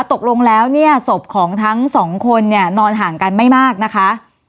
ตกลงแล้วเนี่ยศพของทั้งสองคนเนี่ยนอนห่างกันไม่มากนะคะ